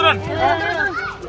turun turun turun